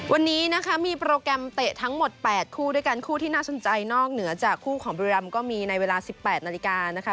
วันนี้นะคะมีโปรแกรมเตะทั้งหมด๘คู่ด้วยกันคู่ที่น่าสนใจนอกเหนือจากคู่ของบุรีรำก็มีในเวลา๑๘นาฬิกานะคะ